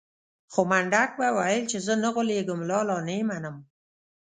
خو منډک به ويل چې زه نه غولېږم لالا نه يې منم.